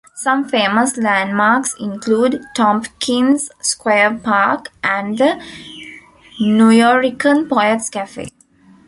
Some famous landmarks include Tompkins Square Park and the Nuyorican Poets Cafe.